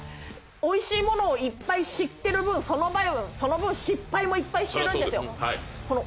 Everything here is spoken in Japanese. おいしい物をいっぱい知ってる分その分失敗もいっぱいしてるんですよ。